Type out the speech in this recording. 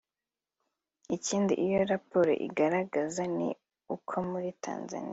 Ikindi iyo raporo igaragaza ni uko muri Tanzaniya